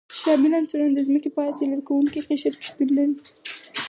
شامل عنصرونه د ځمکې په حاصل ورکوونکي قشر کې شتون لري.